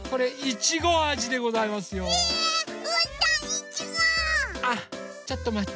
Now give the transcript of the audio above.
ちょっとまって。